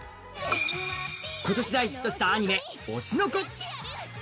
今年大ヒットしたアニメ「推しの子」。